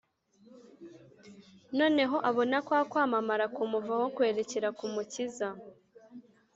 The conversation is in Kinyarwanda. Noneho abona kwa kwamamara kumuvaho kwerekera ku Mukiza.